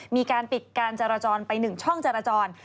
มีการปิดการจราจรไป๑ช่องจราจร